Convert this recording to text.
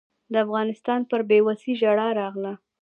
د افغانستان پر بېوسۍ ژړا راغله.